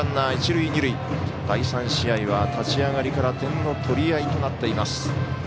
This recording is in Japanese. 第３試合は、立ち上がりから点の取り合いとなっています。